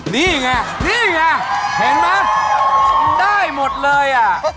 นี่ไงนี่ไงเห็นไหมได้หมดเลยอ่ะ